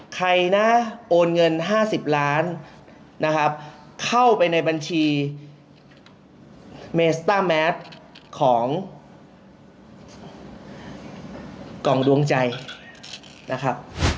ใครนะโอนเงิน๕๐ล้านนะครับเข้าไปในบัญชีเมสต้าแมสของกล่องดวงใจนะครับ